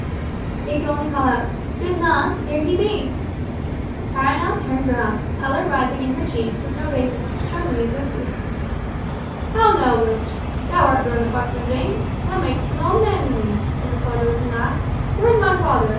He could only call out, "Good naunt, here he be!" Perronel turned round, the colour rising in her cheeks, with an obeisance, but trembling a good deal. "How now, wench? Thou art grown a buxom dame. Thou makst an old man of me," said the soldier with a laugh. "Where's my father?